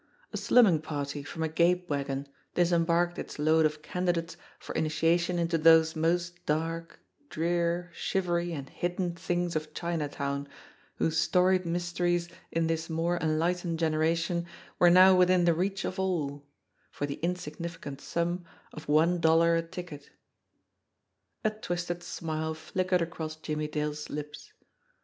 A slumming party from a "gape wagon" disembarked its load of candidates for initiation into those most dark, drear, shivery and hidden things of Chinatown, whose storied mysteries in this more enlightened generation were now within the reach of all for the insignificant sum of one dollar a ticket! A twisted smile flickered across Jimmie Dale's lips.